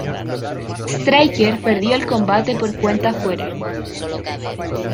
Striker perdió el combate por cuenta fuera.